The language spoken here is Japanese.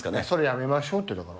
それやめましょうって。